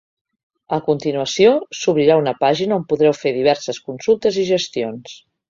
A continuació, s’obrirà una pàgina on podreu fer diverses consultes i gestions.